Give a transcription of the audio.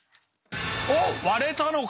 おっ割れたのか。